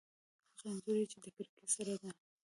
هغه انځور چې د کړکۍ سره دی